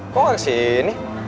kok gak kesini